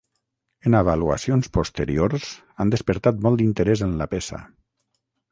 En avaluacions posteriors han despertat molt interès en la peça.